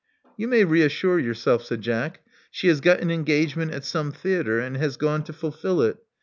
*' You may reassure yourself," said Jack. She has got an engagement at some theatre and has gone to fulfil it.